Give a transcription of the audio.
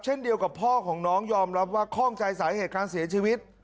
เช่นเดียวกับพ่อของน้องยอมรับว่าข้องใจสาเหตุการเสียชีวิต